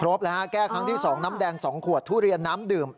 ครบแล้วฮะแก้ครั้งที่สองน้ำแดงสองขวดทุเรียนน้ำดื่ม